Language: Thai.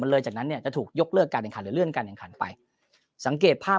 เลยจากนั้นเนี่ยจะถูกยกเลิกการแข่งขันหรือเลื่อนการแข่งขันไปสังเกตภาพ